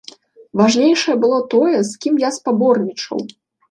Важнейшае было тое, з кім я спаборнічаў.